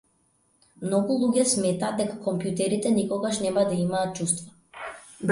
Многу луѓе сметаат дека компјутерите никогаш нема да имаат чувства.